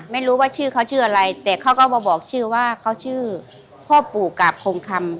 ไม่รู้ว่าชื่อเขาชื่ออะไรแต่เขาก็มาบอกชื่อว่าเขาชื่อพ่อปู่กาบคงคำ